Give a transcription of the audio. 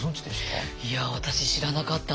いや私知らなかったんです。